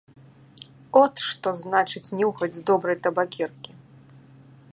От што значыць нюхаць з добрай табакеркі!